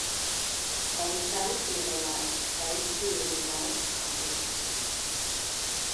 வைத்தால் பிள்ளையார், வழித்து எறிந்தால் சாணி.